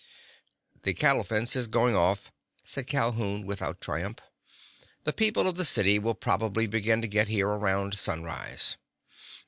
"The cattle fence is going off," said Calhoun without triumph. "The people of the city will probably begin to get here around sunrise."